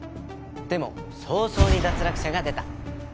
でも早々に脱落者が出た。